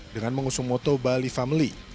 dengan mengusung moto bali family